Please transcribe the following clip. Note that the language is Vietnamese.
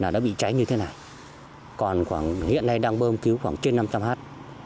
đang bơm cứu khoảng trên năm trăm linh hát